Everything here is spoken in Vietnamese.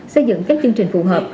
xây dựng các chương trình phù hợp